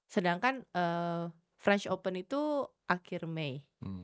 sedangkan french open itu akhirnya itu aku bisa berada di bogota sama astra sharma kan